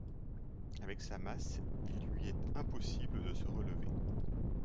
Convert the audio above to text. Avec sa masse, il lui est impossible de se relever.